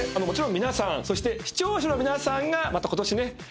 もちろん皆さんそして視聴者の皆さんが今年ね